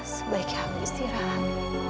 sebaiknya aku istirahat